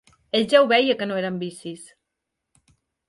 Ell ja ho veia que no eren vicis